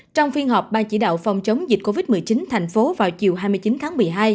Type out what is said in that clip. trong phiên họp ban chỉ đạo phòng chống dịch covid một mươi chín thành phố vào chiều hai mươi chín tháng một mươi hai